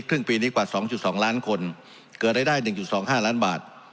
ครึ่งปีนี้กว่า๒๒ล้านคนเกิดรายได้๑๒๕ล้านบาท